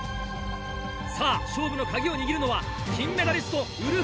さぁ勝負の鍵を握るのは金メダリストウルフアロン。